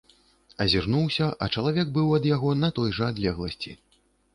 Азірнуўся, а чалавек быў ад яго на той жа адлегласці.